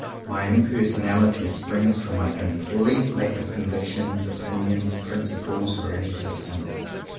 My impersonality springs from my com plete lack of convictions, opinions, prin ciples, or any system.